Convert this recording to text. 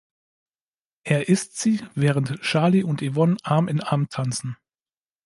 Er isst sie, während Charlie und Yvonne Arm in Arm tanzen.